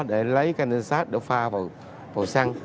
để lấy can tiên sáng để pha vào xăng